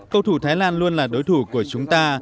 cầu thủ thái lan luôn là đối thủ của chúng ta